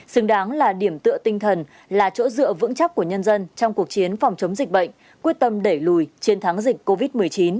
xứng đáng là điểm tựa tinh thần là chỗ dựa vững chắc của nhân dân trong cuộc chiến phòng chống dịch bệnh quyết tâm đẩy lùi chiến thắng dịch covid một mươi chín